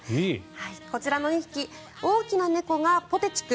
こちらの２匹大きな猫がぽてち君